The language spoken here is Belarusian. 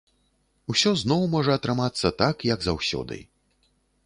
Усё зноў можа атрымацца так, як заўсёды.